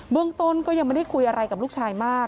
เรื่องต้นก็ยังไม่ได้คุยอะไรกับลูกชายมาก